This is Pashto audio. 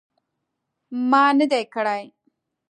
ما نه دي کړي